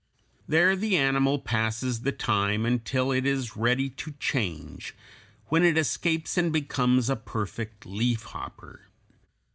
There the animal passes the time until it is ready to change, when it escapes and becomes a perfect leaf hopper.